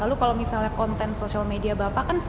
lalu kalau misalnya konten sosial media bapak kan